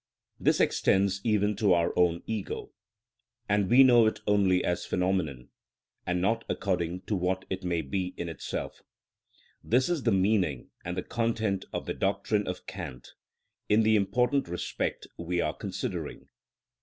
This extends even to our own ego, and we know it only as phenomenon, and not according to what it may be in itself." This is the meaning and content of the doctrine of Kant in the important respect we are considering.